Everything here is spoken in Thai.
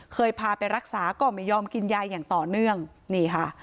เคยพาไปรักษาก็ไม่ยอมกินยาอย่างต่อเนื่องนี่ค่ะ